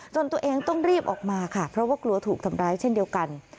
ตัวเองต้องรีบออกมาค่ะเพราะว่ากลัวถูกทำร้ายเช่นเดียวกัน